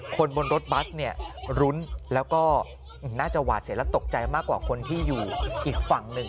คนบนรถบัสเนี่ยรุ้นแล้วก็น่าจะหวาดเสียและตกใจมากกว่าคนที่อยู่อีกฝั่งหนึ่ง